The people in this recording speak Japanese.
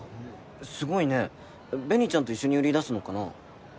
すごいね紅ちゃんと一緒に売り出すのかな？